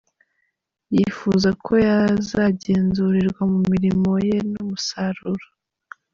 Yifuza ko yazagenzurirwa ku mirimo ye n’umusaruro.”